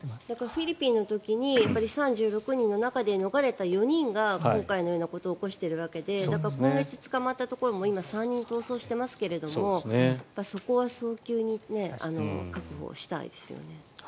フィリピンの時に３６人の中で逃れた４人が今回のようなことを起こしているわけで今月捕まったところも３人まだ逃走していますがそこは早急に確保したいですよね。